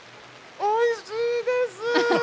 おいしいです！